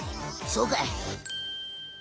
そうかい！